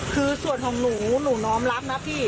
คือส่วนของหนูหนูน้อมรับนะพี่